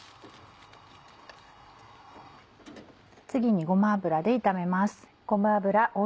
次にごま油で炒めます。